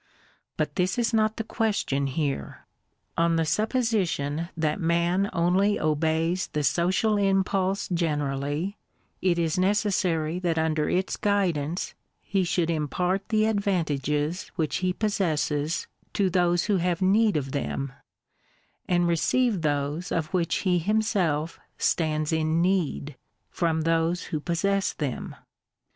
But this is not the ques tion here. On the supposition that man only obeys the social impulse generally, it is necessary that under its guidance ho should impart the advantages which he possesses to those who have need of them, and receive those of which he himself stands in need from those who possess them.